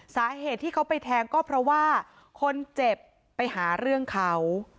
สาเหตุที่เขาไปแทงก็เพราะว่าคนเจ็บไปหาเรื่องเขา